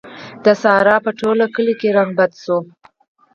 د سارا په ټول کلي کې رنګ بد شو.